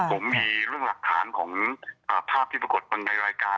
ผมมีเรื่องหลักฐานของภาพที่ปรากฏบนในรายการ